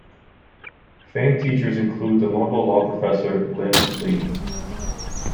Famed teachers include the notable law professor Lin Li.